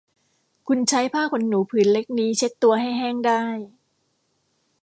คุณใช้ผ้าขนหนูผืนเล็กนี้เช็ดตัวให้แห้งได้